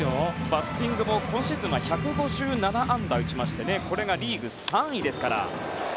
バッティングも今シーズンは１５７安打、打ちましてこれがリーグ３位です。